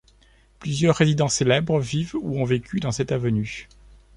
Plusieurs résidents célèbres vivent ou ont vécu dans cette avenue.